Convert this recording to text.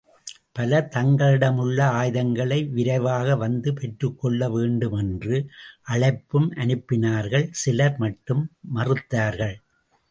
பலர் தங்களிடமுள்ள ஆயுதங்களை விரைவாக வந்து பெற்றுக்கொள்ள வேண்டுமென்று அழைப்பும் அனுப்பினார்கள் சிலர் மட்டும் மறுத்தார்கள்.